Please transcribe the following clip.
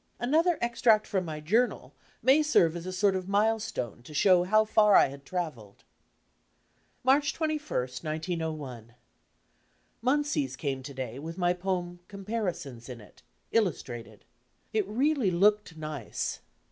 Another extract from my journal may serve as a sort of milestone to show how far I had travelled. March 21, 1901 Mansey's came to day with my poem "Comparisons" in it, illustrated. It really looked nice.